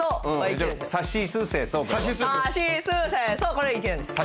これはいけるんですよ